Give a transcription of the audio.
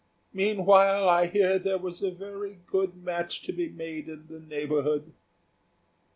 Meanwhile, I hear there is a very good match to be made in the neighbourhood."